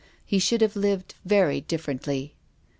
He should have lived very differently."